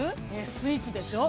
◆スイーツでしょう。